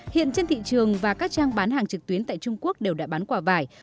hiện trên thị trường và các trang bán hàng trực tuyến tại trung quốc đều đã bán quả vải